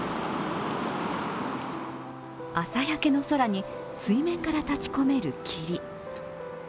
朝焼けの空に水面から立ちこめる霧。